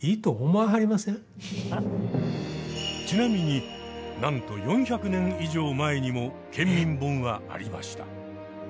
ちなみになんと４００年以上前にも県民本はありました。